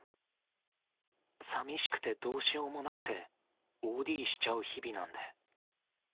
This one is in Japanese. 寂しくてどうしようもなくて、ＯＤしちゃう日々なんで。